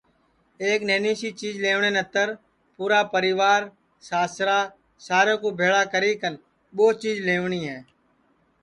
تو ایک نہنی سی چیج لئیوٹؔے نتر پُورا پریوار ساسرا سارے کُو بھیݪا کری کن ٻو چیج لئیوٹؔی ہے